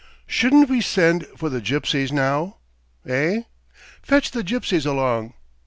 Shouldn't we send for the gypsies now? Eh? Fetch the gypsies along!"